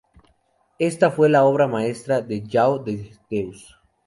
Esta fue la obra maestra de João de Deus.